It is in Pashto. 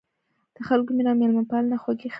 د خلکو مینه او میلمه پالنه خوږې خاطرې وې.